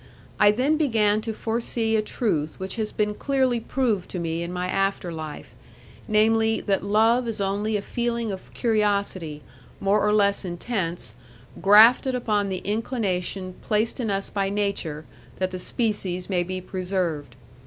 I then began to forsee a truth which has been clearly proved to me in my after life, namely, that love is only a feeling of curiosity more or less intense, grafted upon the inclination placed in us by nature that the species may be preserved.